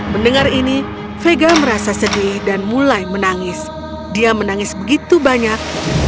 mendengar ini vega merasa sedih dan mulai menangis dia menangis begitu banyak